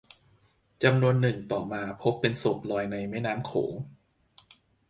จำนวนหนึ่งต่อมาพบเป็นศพลอยในแม่น้ำโขง